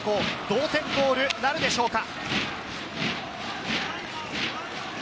同点ゴールなるでしょうか？